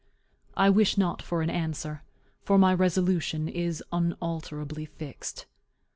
I wish not for an answer; my resolution is unalterably fixed.